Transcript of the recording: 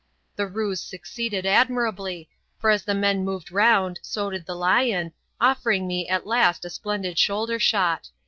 The ruse succeeded admirably, for as the men moved round so did the lion, offering me at last a splendid shoulder shot.